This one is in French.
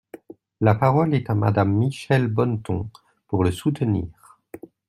La parole est à Madame Michèle Bonneton, pour le soutenir.